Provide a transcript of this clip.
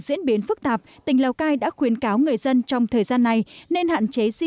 diễn biến phức tạp tỉnh lào cai đã khuyến cáo người dân trong thời gian này nên hạn chế di